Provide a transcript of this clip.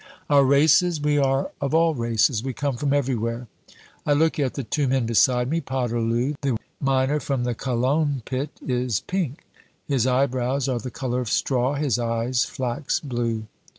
Our races? We are of all races; we come from everywhere. I look at the two men beside me. Poterloo, the miner from the Calonne pit, is pink; his eyebrows are the color of straw, his eyes flax blue.